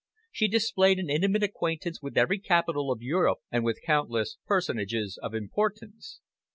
She displayed an intimate acquaintance with every capital of Europe and with countless personages of importance.